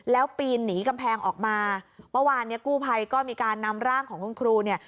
แล้วปีนหนีกำแพงออกมาเมื่อวานเนี้ยกู้ภัยก็มีการนำร่างของคุณครูเนี่ย